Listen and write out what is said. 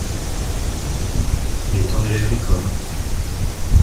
Il est temps d’aller à l’école.